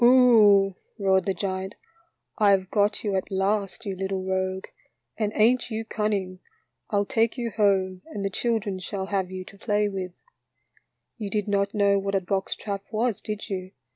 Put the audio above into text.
" Oho," roared the giant, " I have got you at last, you little rogue, and ain't you cun ning? I'll take you home and the children shall have you to play with. " You did not know what a box trap was, did you?